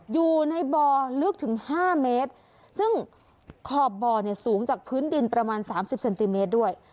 อยู่ในบ่อลึกถึงห้าเมตรซึ่งขอบบ่อเนี่ยสูงจากพื้นดินประมาณสามสิบเซนติเมตรด้วย